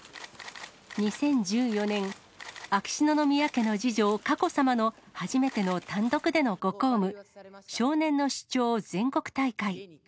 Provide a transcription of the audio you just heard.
２０１４年、秋篠宮家の次女、佳子さまの初めての単独でのご公務、少年の主張全国大会。